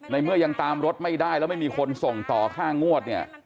ในเมื่อยังตามรถไม่ได้แล้วไม่มีคนทางนี่